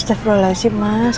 steril lah sih mas